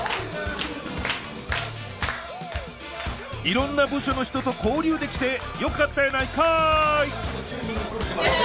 色んな部署の人と交流できてよかったやないかい！